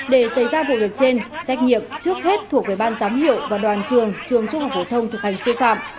để xảy ra vụ việc trên trách nhiệm trước hết thuộc về ban giám hiệu và đoàn trường trường trung học phổ thông thực hành sư phạm